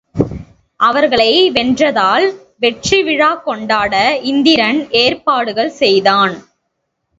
அவர்களை வென்றதால் வெற்றி விழாக்கொண்டாட இந்திரன் ஏற்பாடுகள் செய்தான்.